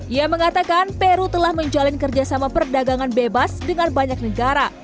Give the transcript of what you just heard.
ia mengatakan peru telah menjalin kerjasama perdagangan bebas dengan banyak negara